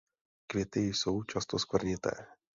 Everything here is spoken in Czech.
Květy jsou často skvrnité.